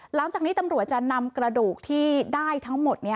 หลังจากนี้ตำรวจจะนำกระดูกที่ได้ทั้งหมด